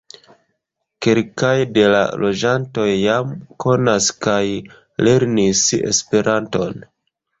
Kelkaj de la loĝantoj jam konas kaj lernis Esperanton.